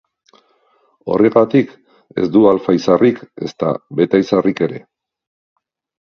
Horregatik, ez du alfa izarrik, ezta beta izarrik ere.